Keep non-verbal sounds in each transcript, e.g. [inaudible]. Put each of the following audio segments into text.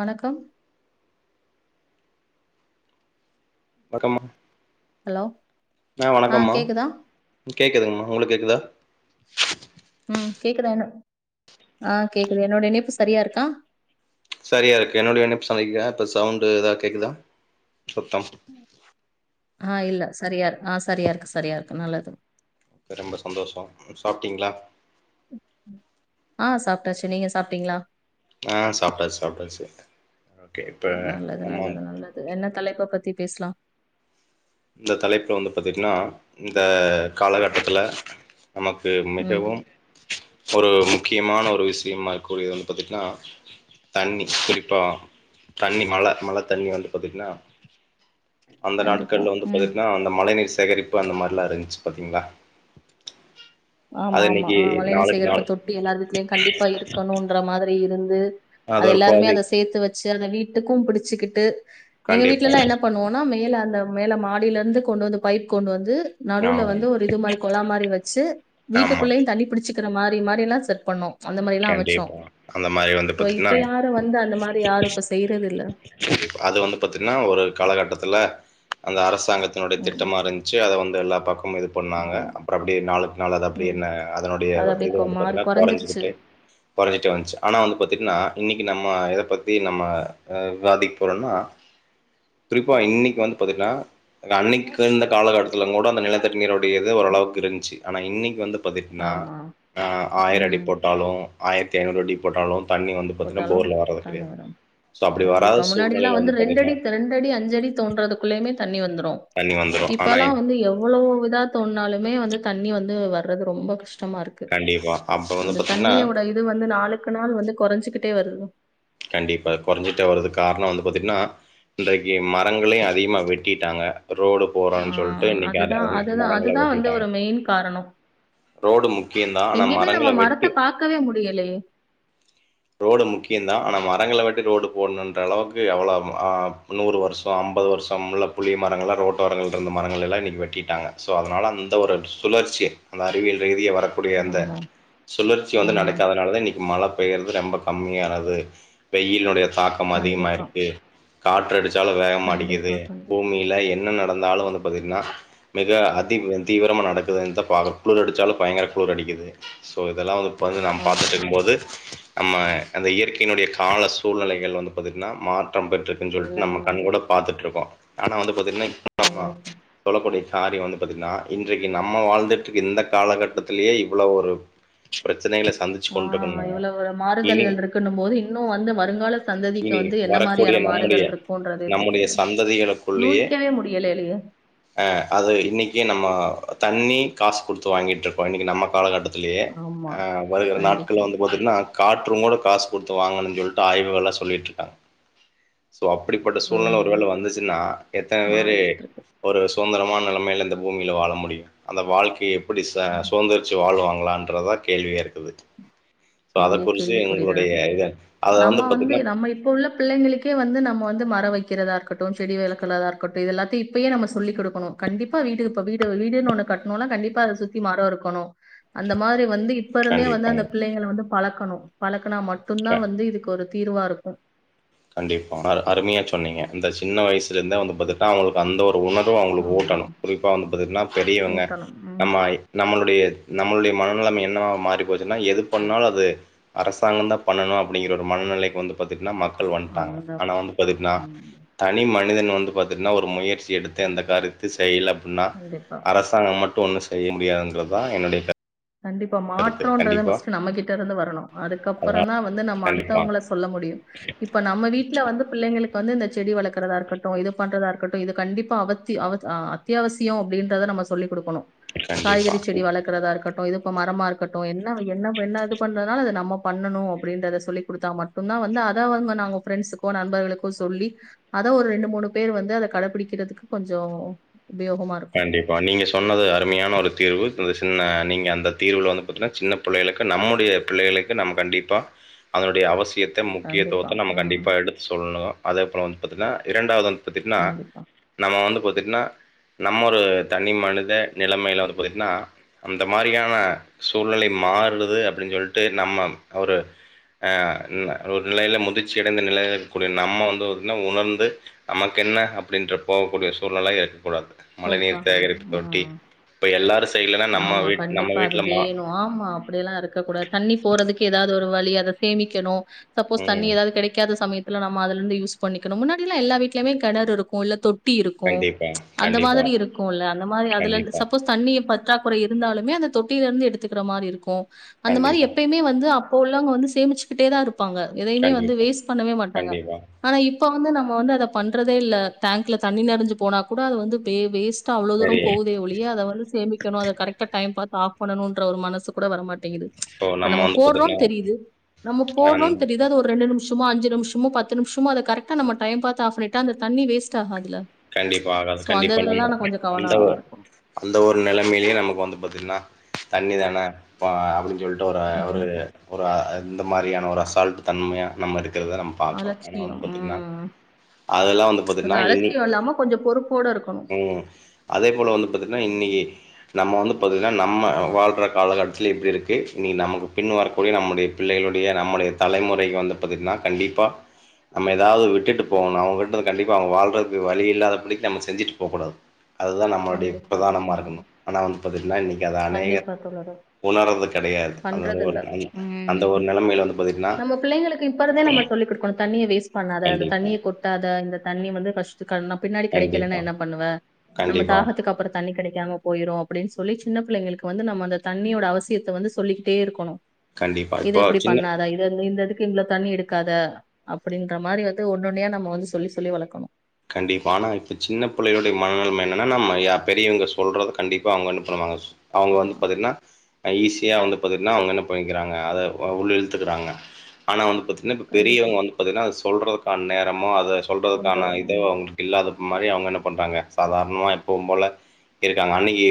வணக்கம் வணக்கம்மா ஹலோ ஆ வணக்கம்மா கேக்குதுங்கம்மா உங்களுக்கு கேக்குதா [inaudible] ம் கேக்குதா என்ன ஆ கேக்குது என்னோட இணைப்பு சரியா இருக்கா சரியா இருக்கு என்னுடைய இணைப்பு சரியாருக்கா இப்ப சவுண்டு எதா கேக்குதா சத்தம் ஆ இல்ல சரியா இருக் ஆ சரியா இருக்கு சரியா இருக்கு நல்லது அப்ப ரொம்ப சந்தோஷோ சாப்டீங்களா நா சாப்டாச்சு நீங்க சாப்டீங்களா ஆ சாப்டாச்சு சாப்டாச்சு ஓகே இப்ப நல்லது நம்மோ நல்லது நல்லது. என்ன தலைப்ப பத்தி பேசலாம்? இந்த தலைப்புல வந்து பாத்தீங்கன்னா இந்த காலகட்டத்துல நமக்கு ம் மிகவும் ஒரு முக்கியமான ஒரு விஷ்யமா இருக்கு ஒரு பாத்துட்டீகன்னா தண்ணி குறிப்பா தண்ணி மழ மழ தண்ணி வந்து பாத்துட்டீங்கன்னா அந்த நாட் கண்டிப்பா. கல்லு வந்து ம் பாத்தீங்கன்னா அந்த மழை நீர் சேகரிப்பு பு அந்த மாரிலா இருந்துச்சு பாத்தீங்களா ஆமா அது ஆமா இன்னைக்கு அ மழை நீர் நாளுக்கு சேகரிப்பு நாள் தொட்டி எல்லாரு வீட்லயும் கண்டிப்பா இருக்கணுன்ற மாதிர் ரி இருந்து அது ஒரு எல்லாருமே அத ப்ராஜெக்ட் சேத்து வெச் அது அந்த வீட்டுக்கும் புடுச்சுக்கிட்டு எங்க வீட்ல கண்டிப்பா எல்லா என்ன பண்ணுவோன்னா மேல அந்த மேல மாடிலர்ந்து கொண்டு வந்து பைப் கொண்டு வந்து ஆ நடுல வந்து ஒரு இது மாரி கொழா மாரி வச்சு ஆமா வீட்டுக்குள்ளயு தண்ணி புடிச்சு க்கிற மாரி மாரியெலா செட் பண்ணோ கண்டிப்பா அந்த மாரி வந்து ஸோ இப்ப பாத்திட்னா யாரும் வந்து அந்த மாரி யாரும் இப்ப செய்றதில்ல. அது வந்து பாத்திட்னா ஒரு காலகட்டத்துல அந்த அர சாங்கத்தினுடைய ம். திட்டமா இருந்ச்சு அத வந் எல்லா பக்க ம்ம இது பண்ணாங்க ஆமா. அப்ற அப்டியே நாளுக்கு நாள் அது அப்டியே ம். என்ன அதனுடைய அது அப்படியே இது கொ வந்து மாறி பாத்திட்னா குறைஞ்சிருச்சு. கொறஞ்சுகிட்டே கொறஞ்சிட்டே வன்ச்சு ஆனா வந்து பத்திட்னா இன்னக்கி நம்ம எத பத்தி நம்ம விவாதிக் போறோன்னா குறிப்பா இன்னைக்கு வந்து பாத்திட்னா அன்னைக்கு இந்த காலகட்டத்துலங்கூட அந்த நிலத்தடி நீருடைய இது ஓரளவுக்கு இருன்ச்சு ஆனா இன்னக்கி வந்து பத்திட்னா ஆமா. அ ஆயிர அடி ம். போட்டாலு ஆயிரத்தி ஐநூறு அடி போட்டாலு தண்ணி வந்து பாத்தனா போட்டாலும் போர்ல வர்றது தண்ணி கெடயாது வரும். சோ அப்டி வராத சூழ்நிலைல வந்து பாத்திட்னா டி அஞ்சடி தோன்றதுக்குள்ளயுமே தண்ணி வந்துடு தண்ணி வந்துரு ஆனா இப்பல்லா வந்து எவ்வளோவுவிதா தோன்னாலுமே வந்து தண்ணி வந்து வர்றது ரொம்ப கஷ் டமா இருக்கு கண்டிப்பா அப்ப வந்து அந்த பாத்தீங்கன்னா தண்ணியோட இது வந்து நாளுக்கு நாள் வந்து கொறஞ்சு ட்டே வருது கண்டிப்பா அது கொறஞ்சிட்டே வரதுக் காரண வந்து பாத்திட்னா இன்றைக்கு மரங்களையு அதிகமா வெட்டிட்டாங்க ரோடு ஆ போர்றொன் சொல்ட்டு இன்னைக்கு அ அதுதான் அ அதுதான் மரங்கள அதுதான் வந்து வெட்டிட்டாங்க ஒரு மெயின் காரணம். ரோடு முக்கியந்தா ஆனா எங்கேயுமே நம்ம மரங்கள மரத்த வெட்டி பாக்கவே முடியலையே! ரோடு முக்கிய ஆனா மரங்கள வெட்டி ரோடு போட்ணுன்ற அளவுக்கு எவ்வளோ ஆ நூறு வருஷொ அம்பது வருஷொம்ல புளிய மரங்களா ரோட்டோரங்கள் இருந்து மரங்களெல்லா இன்னக்கி வெட்டிட்டாங்க ஸோ அதுனால அந்த ஒரு சுழற்சி அந்த அறிவியல் ரீதியா வர கூடிய அந்த ஆமா. சுழற்சி வந்து ம். நடக்காதனால தா இன்னை கி மழ பெயற்து ரொம்ப கம்மியான து வெயில்னுடைய தாக்கம் கண்டிப்பா. அதிகமாயிருக்கு காற்றுடுச்சாலு வேகமா அடிக்குது கண்டிப்பா, கண்டிப்பா. பூமியில என்ன நட ந்தாலு வந்து பாத்திட்னா மிக அதி தீவிரமா நடக்குது இந்தபாகு குளுர் அடுச்சாலு பயங்கர குளுர் அடிக்குது சோ இதெல்லா வந்து இப்பலந்து நம் ஆமா, ஆமா. பாத்துட்ருக்கும்போது நம்ம அந்த இயற் கையினுடைய கால சூழ்நெலைகள் வந்து பாத்திட்னா மாற் றம் பெற்றுக்குன் சொல்ட்டு எல்லாமே நம்ம கண் கூட மாறிடுச்சு. பாத்துட்ருக்கோ ஆனா வந்து பாத்திட்னா [inaudible] கண்டிப்பா. சொலக்கூடிய காரிய வந்து பாத்திட்னா இன்றைக்கு நம்ம வாழ்ந்துட்ருக்க இந்த காலகட்டத்துலயே இவ்ளோ ஒரு பிர ஆ இவ்வளவு இனி மாறுதல்கள் இருக்குனும் போது இன்னு வந்து வருங்கால சந்ததிக்கு இனி வந்து என்ன வரக்கூடிய மாரியான நம்முடைய மாறுதல் இருக்குன்றதே நம்முடைய தெரியல சந்ததிகளுக்குள்ளயே யூக்கவே முடியலையே அது இன்னைக்கே நம்ம தண்ணி காஸ் குடுத்து வாங்கிட்ருக்கோ இன்னைக்கி நம்ம காலகட்டத் த்திலயே ஆமா. ஆ வரு நாட்கள கண்டிப்பா. வந்து பாத்தீங்கன்னா ஆட் காற்றுங்கூட காஸ் குடுத்து வாங்குன் சொல்லிட்டு ஆய்வுகள சொல்லிட்ருக்காங் இப்போ அப்பிடிப்பட்ட சூழ்நில ம். ஒருவேள வந்துச்சுன்னா எத்தன வேரு மாறிட்டு இருக்கு. ஒரு சு சுதந்திரமான நிலமையில இந்த பூமியில வாழ முடியு அந்த வாழ்க்கையேப் எப்டி சா ம். சுந்தரிச்சு வாழுவாங் ங்களான்றதா கேள்வியா இருக்குது சோ அத பெரிய குறிச்சு கேள்விக்குறி எங்களோ தான் அது. [unintelligible] அத வந்து பாத்தீங்கன்னா பிள்ளைங்களுகே வந்து நம்ம வந்து மர வெக்கிறதா இருக்கட்டு செடி வளக்குறதா இருக்கட்டு இதெல்லாத்தையு இப்பயே நம்ம சொல்லி் குடுக்கணு கண்டிப்பா வீட்டுக் இப்ப வீடு வீடுன்ன ஒண்ணு கட்டணுன்னா கண்டிப்பா அத சுத்தி மரோ இருக்கணு அந்த மாரி வந்து இப்ப இருந்தே வந்து கண்டிப்பாங்க அந்த பிள்ளைங்க வந்து பழக்கணு பழக் க்கனா மட்டு கண்டிப் தா வந்து இதுக்கு ஒரு தீர்வா இருக்கு கண்டிப்பா அ அருமையா சொன்னீங்க அந்த சின்ன வயிசுல இருந்த வந்து பாத்துடா அவுங்குளுக்கு அந்த ஒரு அந்த உணர்வு அவுங்குளுக்கு ஆமா ஓட்டணு குறிப்பா வந்து பாத்துட்னா பெரியவங்க ஊட்டணும் உம் நம்மாயி நம்மளுடைய நம்மளுடைய மனநிலமை என்னவா மாறிச்சுனா எது பண்ணாலு அது அரசாங்கா தா பண்ணு அப்டிங்கர மனநிலைக்கு வந்து பாத்துட்னா க்கள் வண்ட்டாங்க அந்த ஆனா வந்து மாதிரி பாத்தீட்னா உம் தனி ம மனிதன் வந்து பாத்தீட்னா ஒரு முயற்சி எடுத்தே இந்த காரியத்தி செய்ல பின்னா கண்டிப்பா அரசாங்க மட் ட்டு ஒண்ணு செய்ய முடியாதுன்றதா என்னுடைய கரு கண்டிப்பா மாற்றோன்றத மஸ்ட் நம்மகிட்ட இருந்து வரணு அதனால அதுக்கப்புறந்தா வந்து நம்ம கண்டிப்பா அடுத்தவங்கள சொல்ல முடியு இப்ப நம்ம வீட்டுல வந்து பிள்ளைங்களுக் இப்ப வந்து இந்த செடி வளக் க்கரதா இருக்கட்டு இது பண்றதாரு க்கட்டு இது கண்டிப்பா அவத்தி ஆ அத்தியாவசியோ அப்டின்றத நம்ம சொல்லிக் குடுக்குணு காய்கறி கண்டிப்பா. செடி வளர்க்கறதா இருக்கட் ட்டு இது இப்ப மரமா இருக்கட்டு என்னவு என்ன என்ன இது பண்ணதுனால அத நம்ம பண்ணணு அப்டின்றத சொல்லி கொடுத்தா மட்டும்தா வந்து அத அவுங்க நாங் ப்ரெண்ட்ஸ்சுகோ நண்பர்களுக்கோ சொல்லி அதா ஒரு ரெண்டு மூணு பேர் வந்து அத கடபிடிக்கிறதுக்கு கொஞ்சோ கண்டிப்பா நீங்க சொன்னது அருமையான ஒரு தீர்வு சின்ன நீங்க அந்த தீர்வு வந்து பாத்தீங்கனா சின்ன பிள்ளைகளுக்கு நம்முடைய பிள்ளைகளுக்கு நம் கண்டிப்பா அதனுடைய அவசியத் த்த கண்டிப்பா. முக்கியத்துவத்த நம்ம ம். கண்டிப்பா எடுத்து சொல்ணு அதை போல வந்து பாத்தீன்னா இரண்டாவத த்தின்னா கண்டிப்பா. நம்ம வந்து பத் தின்னா நம்ம ஒரு தனி மனித நிலைமையில் வந்து போய்ட்ன்னா அந்த மாதிரியான சூழ்நிலை மாறுது அப்டின்னு சொல்லிட்டு நம்ம ஒரு ஒரு நெலைல முதிர்ச்சிடைந்த நெலைல இருக்கக்கூடிய நம்ம வந்து என்ன உணர்ந்து நமக்கென்ன அப்டின்ற போகக்கூடிய சூழ்நெல இருக்கக்கூடாது போக்க மழைநீர் சேகரிப்பு தொட்டி ம் இப்ப எல்லாரு செய்யலன்னா நம்ம ஆமா வீட் நம்ம கண்டிப்பா அது வீட்ல மா வேணு ஆமா அப்டியெல்லா இருக்க கூடாது தண்ணி போறதுக்கு ஏதாவது ஒரு வழியா அத சேமிக்கணு சப்போஸ் தண்ணி ம் எதாது கிடைக்காத சமய இல்ல நம அதுல இருந்து யூஸ் பண்ணிக்கணு முன்னாடி எல்லா வீட்டுலயமே கெணறு இருக்கு இல்ல தொட் கண்டிப்பா அந்த கண்டிப்பா மாரி இருக்குல்ல அந்த மாரி அதுல கண்டிப்பா சப்போஸ் தண்ணி ணி பற்றாக்குறை இருந்தாலுமே அந்த தொட்டியிலிருந்து எடுத்துக்குற மாரி இருக்கு அந்த மாரி கண்டிப்பா எப்பயுமே வந்து அப் ப்ப உள்ளவங்க வந்து சேமிச்சுக்கிட்டே தா இரு ப்பாங்க எதையுமே வந்து கண்டிப்பா வேஸ்ட் பண்ணவே மாட்டாங்க கண்டிப்பா ஆனா இப்ப இப்ப வந்து நம்ம வந்து அத பண்றதே இல்ல டேங்க்ல தண்ணி நெரஞ்சு போனா கூட அது வந்து பே வேஸ்ட் டா அவ்ள தூர சரி போதே ஒழிய அத வந்து சேமிக்கணு அத கரெக்ட டைம் பாத் ஆஃப் பண்ணணுன்ற ஒரு மனசு கூட வரமாட் ட்டேங்குது இப்போ இப்ப நம்ம வந்து போட்றோ பாத்தீட்னா தெரியுது நம்ம போட்றோ அந் தெரியுது அது ஒரு ரெண்டு நிமிஷ சும்ம அஞ்ச நிமிஷமோ பத்து நிமிஷமோ கரெ்ட நம்ம டைம் பார்த்து ஆப் பண்ணிட்டா அந்தண்ணி வேஸ்ட ஆகாதுல கண்டிப்பா ஆகாது கண்டிப்பா நம்ம அந்த கவனமா இருக்கணும். அந்த ஒரு நெலமயிலயே நமக்கு வந்து பாத்தீங்கன்னா தண்ணி தானே ப அப்டின்னு சொல் ஒர ஒரு ம். ஒர இந்த மாரியான ஒரு அசால்ட் தன்மையா நம்ம இரு க்கரத நம்ம பாக்றோம் என்னா அலட்சியம். பாத்தீங்கன்னா ம். அதல்லா வந்து அந்த பாத்தீங்கன்னா இனி அலட்சியம் இல்லாம கொஞ்சம் பொறுப்போட இருக்கணும். ம் அதே போல வந்து பாத்தீங்கன்னா இன்னிக்கு நம்ம வந்து பாத்தீங்ன்னா நம்ம வாழ்ற காலகட்டத்ல இப்டி இருக்கு இன்னிக் நமக்கு பின் வரக்கூடிய நம்முடைய பிள்ளைகளுடைய நம்முடைய தலைமுறைக்கு வந்து பாத்தீங்ன்னா கண்டிப்பா நம்ம ஏதாவ விட்டுட்டு போகணு அவங்கிட்ட கண்டிப்பா அவங்க வாழ்றக்கு வழி இல்லாத படிக்கு நம்ம செஞ்சுட்டு போக்கூடாது அதுதா நம்மளுடைய கண்டிப்பா. ப்ரதானமா ம். இருக்கணு ஆனா வந்து பாத்தீங்ன்னா இன்னக்கு அத அநேக கண்டிப்பா தோழரே. உணர்து கெடையாது பண்றதில்ல. அந்த அந்த ம். ஒரு நெலமைல வந்து பாத்தீங்ன்னா நம்ம பிள்ளைங்களுக்கு இப்ப இருந்தே நம்ம சொல்லிக் குடுக்கணும். தண்ணிய வேஸ்ட் பண்ணாத, அந்த கண்டிப்பா தண்ணிய கொட்டாத, இந்த தண்ணி வந்து கஷ் கன் பின்னாடி கிடைக்கலன்னா கண்டிப்பா என்ன பண்ணுவ நம்ம கண்டிப்பா தாகத்துக்கு அப்ற தண்ணி கெடைக் காம போய்ரு அப்டின்னு சொல்லி சின்ன பிள்ளைங்களுக்கு வந்து நம்ம அந்த தண்ணியோட அவசியத்த வந்து சொல்லிக்கிட்டே இருக்கணு கண்டிப்பா இது இப்போ இப்டி சின்ன பண்ணாதா இது ந்து இந்த இது இவ்ள தண்ணி எடுக்காத அப்டீன்ற மாரி வந்து ஒன்னு ஒன்னய நம்ம வந்து சொல்லி சொல்லி வளக்கணு கண்டிப்பா ஆனா இப்ப சின்ன பிள்ளகளுடைய மனநெலம என்னன்னா நம்ம பெரியவங்க சொல்றத கண்டிப்பா அவுங்க ஒன்னு பண்ணுவாங்க அவுங்க ஆ வந்து பாத்தீங்னா ஈஸியா வந்து பாத்தீங்னா அவுங்க என்ன பண்ணிக்கிறாங்க அத உள்ள இழுத்துகுறாங்க ஆனா வந்து பாத்தீ என்ன இப்ப கண்டிப்பா. பெரியவங்க வந்து பாத்தீங்னா சொல்றதுகான நேரமோ அது சொல்றதுக்கான சொல்றது இது ம். அவுங்களுக்கு இல்லாத மாரி அவுங்க என்ன பண்றாங்க சாதாரணமா எப்பவு போல இருக்காங்க அன்னைக்கு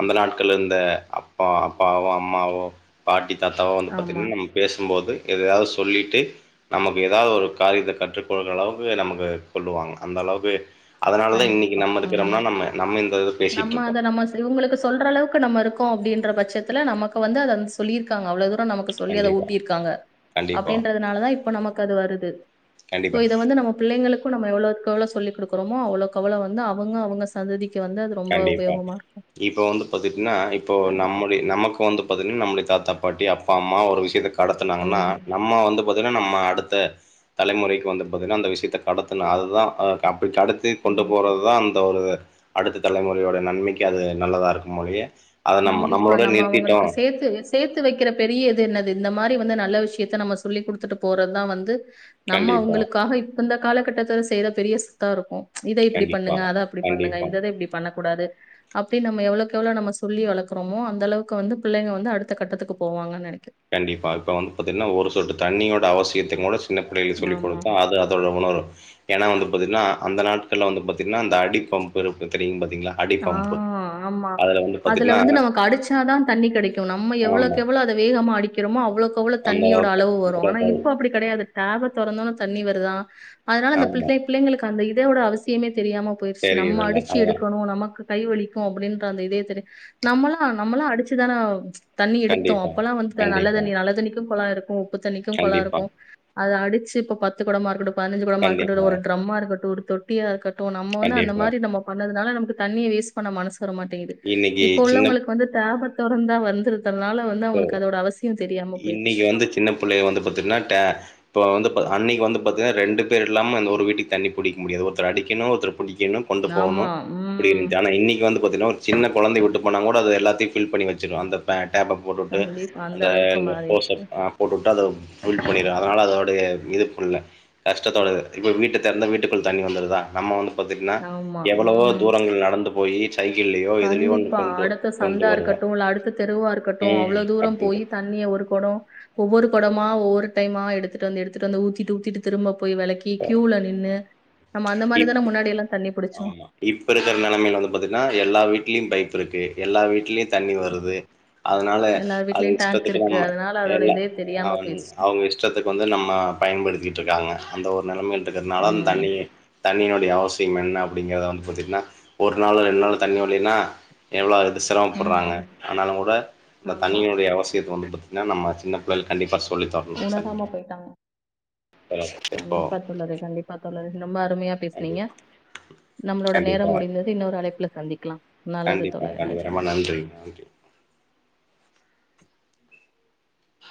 அந்த நாட்கள் இருந்த அப்பா அப்பாவோ அம்மாவோ பாட்டி தாத்தாவா வந்து ஆமா. பாத்தீங்னா நம்ம பேசும்போது எதயாவ்து சொல்லிட்டு நமக்கு எதா ஒரு காரியத்த கற்றுக்கொள்கிற அளவுக்கு நமக்கு சொல்லுவாங்க அந்த அளவு கண்டிப்பா உம் இந்த இது பேசிட்டு நம்ம அத இருக்கோம். நம்ம உங்களுக்கு சொல்ற அளவுக்கு நம்ம இருக்கோ அப்டினு பட்சத்ல நமக்கு வந்து அத வந்து சொல்லி இருக்காங்க அவ்ளவுக்கு நமக்கு சொல்லி அத கண்டிப்பா, ஊட்டி இருக்காங்க கண்டிப்பா, அப்டிறனால தா இப்ப நமக்கு அது வருது சோ கண்டிப்பா, இத வந்து நம்ம பிள்ளைளுக்கு நம்ம எவ்ளோக் எவ்ளோ சொல்லி கொடுக்க அவ்ளோக்கவ்ளோ வந்து அவுங்க அவுங்க சந்ததிக்கு வந்து அது ரொம்ப கண்டிப்பா உபயோகமா இருக்கும் இப்ப வந்து பாத்ட்டுனா இப்போ கண்டிப்பா நம்ம நமக்கு வந்து நம்முடய தாத்தா பாட்டி அப்பா அம்மா ஒரு விஷயத்த கடத்துனாங்னா ம் நம்ம வந்து பாத்தீங்னா நம்ம அடுத்த தலைமுறைக்கு வந்த பன்ன அந்த விஷயத்த கடத்தணு அதுதா கடத்தி கொண்டு கண்டிப்பா போறது தா அந்த ஒரு இத அடுத்தது தலமுறையோட நன்மைக்கு அது நல்லதா இருக்கு போலயே கண்டிப்பா நம்ம அவுங்களுக்கு சேத்து சேத்து வெக்ற பெரிய என்னது இந்த மாரி வந்து நல்ல விஷயத்த நம்ம சொல்லி குடுத்துட்டு போறதுதா வந்து நம்ம கண்டிப்பா. அவுங்களுக்காக இப்ப இந்த காலகட்டத்து செய்த பெரிய ரிஸ்க்கா இருக்கு இத இப்டி கண்டிப்பா பண்ணுங்க அத அப்டி பண்ணுங்க கண்டிப்பா இந்த இத இப்டி பண்ண கூடாது அப்டி நம்ம எவ்ளக் எவ்ள நம்ம சொல்லி வளக்குரமோ அந்தளவுக்கு வந்து பிள்ளைங்க வந்து அடுத்த கட்டத்துக்கு போவாங்க நினைக்கேன் கண்டிப்பா இப்ப வந்து பாத்தீங்னா ஒரு சொட்டு தண்ணியோட அவசியத்த கூட சின்ன பிள்ளைகளுக்கு சொல்லிக் ஆமா குடுத்தா அது அதோட உணரு ஏனா வந்து பாத்தீங்கனா அந்த நாட்கள்ல வந்து பாத்தீங்னா அந்த அடிபம்பு இருக்கு தெரியு ஆ ஆமா வந்து அதுல பாத்தீங்கன்னா வந்து நமக்கு அடுச்சாதா தண்ணி கிடைக்கு நம்ம ஆமா. எவ்ளக் எவ்ள அத வேகமா மாடிக்கிறமோ அவ்ளோக்கு அவ்ளோ அந்த தண்ணியோட அளவு வரு ஆனா அளவுக்கு இப்ப அப்டி கெடையாது டேப தொறந்தோன தண்ணி வருதா அதனால அந்த ஆமா. பிள்ளை பிள்ளைங்களுக்கு அந்த இது மழையோட அவசியமே தெரியாம போயிருச்சு நம்ம தெரியுதுல்ல. அடிச்சு அதெல்லாம் எடுக்கணு நம்ம நமக்கு கை வலிக்கு அப்டின்ற அந்த இதே தெரியு நம்மளா நம்மளா அடுச்சுதான தண்ணி எடுத்தோ கண்டிப்பா, அப்பல்லா வந்து நல்ல கண்டிப்பா, தண்ணி நல்ல தண்ணிக்கும் குழாய் இருக் உப்புத் தண்ணிக்கு கொழா கண்டிப்பா, இருக்கு அது அடுச்சு இப்ப பத்து கொடமா இருக்கட்டு பதனஞ்சு கொடமா இருக்கட்டு இல்ல கண்டிப்பா, ஒரு டிரம்மா இருக்கட்டு தொட்டிய கட் ட்டு நம்ம வந்து அந்த கண்டிப்பா. மாரி நம்மோ பண்ணறது அதனால நமக்கு தண்ணிய வேஸ்ட் பண்ண மனஸ் தர மாட்டேங்குது இன்னைக்கு இப்போ சின்ன உள்ளவங்களுக்கு வந்து டேபத் தொரந்தா வந்துருது அதனால வந்து அவங்களுக்கு அதோட அவசியோ தெர் இன்னிக்கு வந்து சின்ன புள்ளைக வந்து பாத்தீங்கன்னா டே இப்ப வந்து அன்னிக்கு வந்து பாத்தீங்கன்னா ரெண்டு பேர் இல்லாம ஒரு வீட்டுக்கு தண்ணி புடிக்கு முடியாது ஒருத்தரு அடிக்கனு ஒருத்தருப் புடிக்கணு கொண்டு போகணு ஆமா இப்டின் ம் இருந்தது ஆனா இன்னிக்கு வந்து போதின்னா ஒரு சின்ன கொழந்தை உட்டு போனாங் கூட அது எல்லாத்தையு ஃபில் பண்ணி வெச்சுரு அந்த பேட் [unintelligible] டேப்ப போட்டுட்டு கண்டிப்பா அந்த அளவுக்கு ஓஸ்ஸ மாறிடுச்சு போட்டுட்டா அத பண்ண அதனால அதோட இது கஷ்டத்தோட இப்ப வீட்ட தெரந்தா வீட்டுக்குள் தண்ணி வந்துருதா நம்ம வந்து பாத்தீங்கன்னா ஆமா எவ்வளவோ ம் தூரங்கள் நடந்து போயி கண்டிப்பா அடுத்த சந்தா வருவோ இருக்கட்டு இல்ல அடுத்த தெருவா இருக்கட்டு ம் அவ்வளோ தூரம் அப்டின்ட்டு போய் தண்ணிய ஒரு கொடோ ஒவ்வொரு கொடமா ஒவ்வொரு டைமா எடுத்துட்டு வந்து எடுத்துட்டு வந்து ஊத்திட்டு ஊத்திட்டு திரும்பப் போய் வெளக்கி கியூல நின்னு நம்ம அந்த இப் மாரிதான முன்னாடி எல்லா தண்ணி புடிச்சோம் ஆமா இப்ப இருக்குற நெலமையில வந்து பாத்துட்டீன்னா எல்லா வீட்லயும் பைப் இருக்கு எல்லா வீட்லயு தண்ணி வருது ஆமா அதனால எல்லார் அது வீட்லயும் டேங்க் இஷ்டத்துக்கு இருக்கு நம்ம அதனால அதோட இல்ல இதே தெரியாம அவங் போயிருச்சு அவங்க இஷ்டத்துக்கு வந்து நம்ம பயன்படுத்திட்ருக்காங்க அந்த ஒரு நிலமையில் த்துறங்கனால அந் ம் தண்ணிய தண்ணியோடைய அவசிய என்ன அப்டிங்கற வந்து பாத்தீட்னா ஒரு நாளோ ரெண்டு நாளோ தண்ணிவரலீனா எவ்ளோ சிரமப்படுறாங்க ம் ஆனாலு கூட அந்த ஆமா தண்ணின் உடைய அவசியத் வந்து பாத்தீங்கன்னா நம்ம சின்ன பிள்ளையிள் கண்டிப்பா சொல் சொல்லி தர்ணு உணராம [unintelligible] போயிட்டாங்க கண்டிப்பா தோழரே கண்டிப்பா தோழரே ரொம்ப அருமையா பேஸ்னீங்க கண்டிப்பா நம்மளோட நேரோ கண்டிப்பா முடிந்தது இன்னொரு அழைப்புல சந்திக்குலா நல்லது கண்டிப்பா தோழரே கண்டிப்பா நன்றி ரொம்ப நன்றி நன்றி ஆ